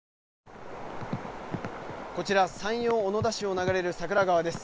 こちら山陽小野田市を流れる桜川です。